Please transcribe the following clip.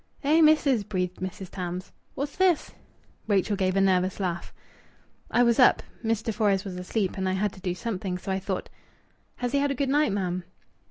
"Eh, missis!" breathed Mrs. Tams. "What's this?" Rachel gave a nervous laugh. "I was up. Mr. Fores was asleep, and I had to do something, so I thought " "Has he had a good night, ma'am?"